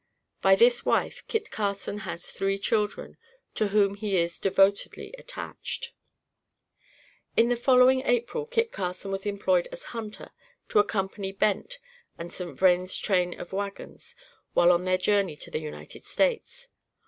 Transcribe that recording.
By this wife Kit Carson has three children, to whom he is devotedly attached. In the following April Kit Carson was employed as hunter to accompany Bent and St. Vrain's train of wagons, while on their journey to the United States.